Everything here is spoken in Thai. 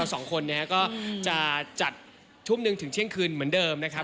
สองคนนี้ก็จะจัดทุ่มหนึ่งถึงเที่ยงคืนเหมือนเดิมนะครับ